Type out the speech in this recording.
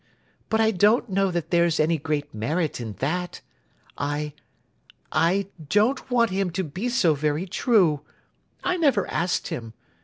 But I don't know that there's any great merit in that. I—I don't want him to be so very true. I never asked him.